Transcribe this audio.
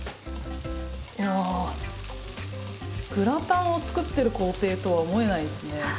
グラタンを作ってる工程とは思えないですね。